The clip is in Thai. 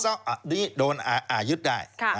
ก็อันนี้โดนยึดได้